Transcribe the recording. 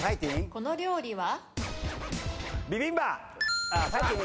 この料理は？